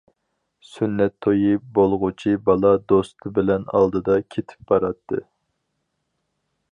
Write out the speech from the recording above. سۈننەت تويى بولغۇچى بالا دوستى بىلەن ئالدىدا كېتىپ باراتتى.